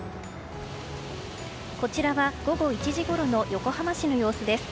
こちらは午後１時ごろの横浜市の様子です。